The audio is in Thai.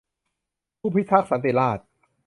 ผู้พิทักษ์สันติราษฎร์